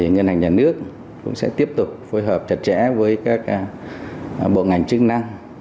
ngân hàng nhà nước cũng sẽ tiếp tục phối hợp chặt chẽ với các bộ ngành chức năng